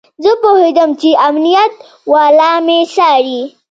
زه پوهېدم چې امنيت والا مې څاري.